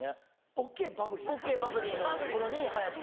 「ＯＫバブリー」の頃に流行った。